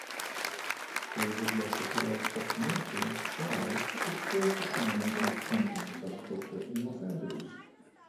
David LaChapelle's documentary "Rize" explores the clowning and krumping subculture in Los Angeles.